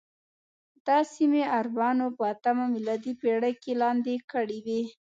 دا سیمې عربانو په اتمه میلادي پېړۍ کې لاندې کړې وې.